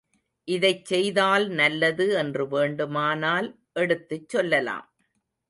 இதைச் செய்தால் நல்லது என்று வேண்டுமானால் எடுத்துச் சொல்லலாம்.